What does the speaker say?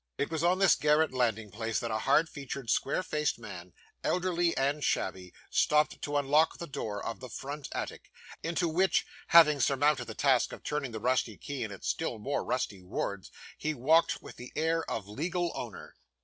It was on this garret landing place that a hard featured square faced man, elderly and shabby, stopped to unlock the door of the front attic, into which, having surmounted the task of turning the rusty key in its still more rusty wards, he walked with the air of legal owner.